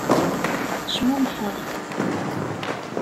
Cmumḥeɣ.